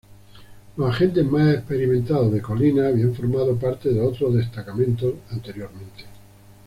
Los agentes más experimentados de Colina habían formado parte de otros destacamentos anteriormente.